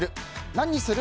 何にする？